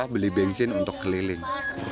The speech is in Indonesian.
beli bensin untuk keliling